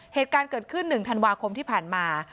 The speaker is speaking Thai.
เหตุการณ์เกิดขึ้น๑ธันวาคมที่ผ่านมา